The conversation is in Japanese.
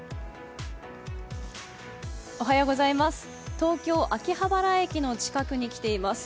東京・秋葉原駅の近くに来ています。